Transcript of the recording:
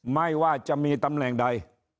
ไม่ว่าจะมีตำแหน่งใด